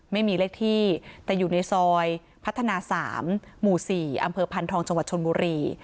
ไม่มีเลขที่แต่อยู่ในซอยพัฒนา๓หมู่๔อำเภอพันธองจังหวัดชนบุรี